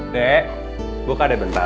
dek buka deh bentar